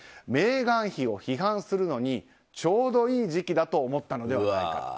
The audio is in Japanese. メーガン妃を批判するのにちょうどいい時期だと思ったのではないかと。